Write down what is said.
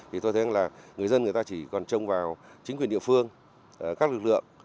thì tôi thấy là người dân người ta chỉ còn trông vào chính quyền địa phương các lực lượng